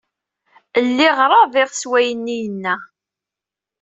Lliɣ raḍiɣ s wayenni yenna.